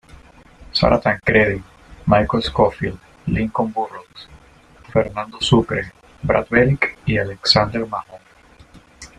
Sara Tancredi, Michael Scofield, Lincoln Burrows, Fernando Sucre, Brad Bellick y Alexander Mahone.